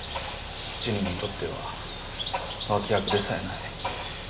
ジュニにとっては脇役でさえない。